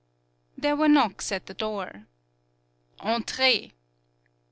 There were knocks at the door. "Entrez."